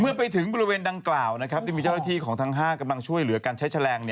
ไปถึงบริเวณดังกล่าวได้มีเจ้าหน้าที่ของทั้ง๕กำลังช่วยเหลือการใช้แฉลง